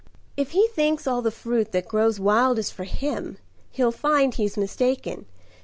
"If he thinks all the fruit that grows wild is for him, He'll find he's mistaken.